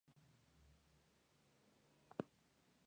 Es el único parque nacional alpino alemán.